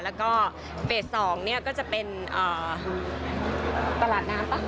แล้วก็เฟส๒เนี่ยก็จะเป็นตลาดน้ำป่ะ